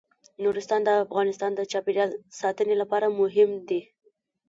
نورستان د افغانستان د چاپیریال ساتنې لپاره مهم دي.